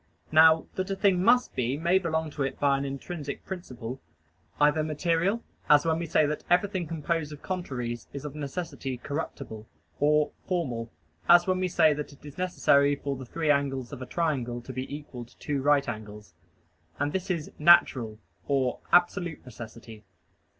Now that a thing must be may belong to it by an intrinsic principle either material, as when we say that everything composed of contraries is of necessity corruptible or formal, as when we say that it is necessary for the three angles of a triangle to be equal to two right angles. And this is "natural" and "absolute necessity."